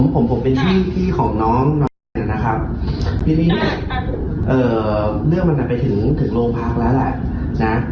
ผมเป็นพี่ของน้องนะครับทีนี้เรื่องมันไปถึงโรงพาร์คแล้วแหละนะ